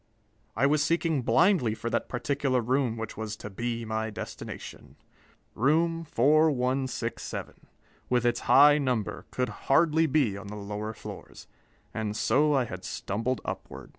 I was seeking blindly for that particular room which was to be my destination. Room 4167, with its high number, could hardly be on the lower floors, and so I had stumbled upward....